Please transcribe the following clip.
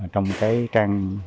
trong cái trang